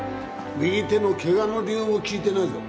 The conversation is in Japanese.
右手の怪我の理由も聞いてないぞ。